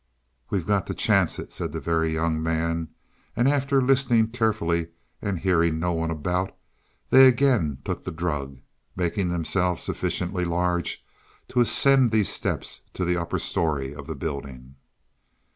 "We've got to chance it," said the Very Young Man, and after listening carefully and hearing no one about, they again took the drug, making themselves sufficiently large to ascend these steps to the upper story of the building.